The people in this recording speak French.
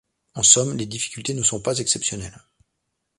En somme, les difficultés ne sont pas exceptionnelles.